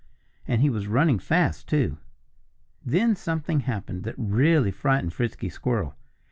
And he was running fast, too. Then something happened that really frightened Frisky Squirrel.